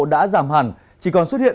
đã giảm hẳn chỉ còn xuất hiện